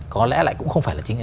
có lẽ lại cũng không phải là